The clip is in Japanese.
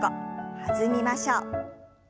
弾みましょう。